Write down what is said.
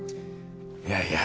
いやいや。